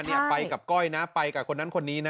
ไปกับก้อยนะไปกับคนนั้นคนนี้นะ